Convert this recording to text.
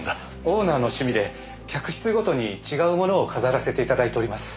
オーナーの趣味で客室ごとに違うものを飾らせていただいております。